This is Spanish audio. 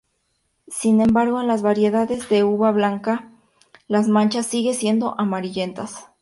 Sin embargo en las variedades de uva blanca, las manchas siguen siendo amarillentas.